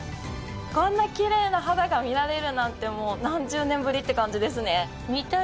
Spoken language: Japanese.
こんなきれいな肌が見られるなんてもう何十年ぶりって感じですね。